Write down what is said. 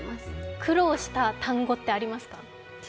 苦労した単語はありますか？